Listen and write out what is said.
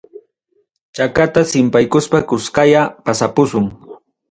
Chakata simpaykuspa kuskaya pasapusun.